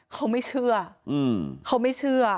เขาไม่เชื่อ